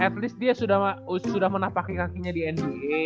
at least dia sudah menapaki kakinya di nba